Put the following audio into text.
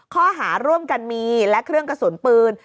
ข้อหาร่วมกันมีและเครื่องกระสุนปืน